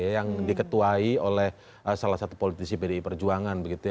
yang diketuai oleh salah satu politisi pdi perjuangan